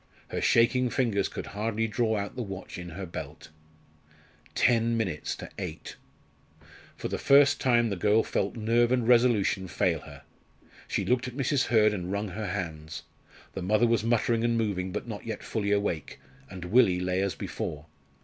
Her shaking fingers could hardly draw out the watch in her belt. Ten minutes to eight! For the first time the girl felt nerve and resolution fail her. She looked at Mrs. Hurd and wrung her hands. The mother was muttering and moving, but not yet fully awake; and Willie lay as before.